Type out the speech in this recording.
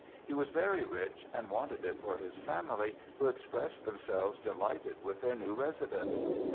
He was very rich, and wanted it for his family, who expressed themselves delighted with their new residence.